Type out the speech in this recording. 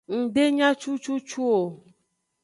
Ng de nya cucucu o.